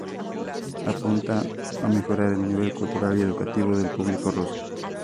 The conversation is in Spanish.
Apuntó a mejorar el nivel cultural y educativo del público ruso.